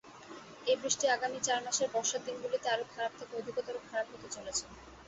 এই বৃষ্টি আগামী চার মাসের বর্ষার দিনগুলিতে আরও খারাপ থেকে অধিকতর খারাপ হতে চলেছে।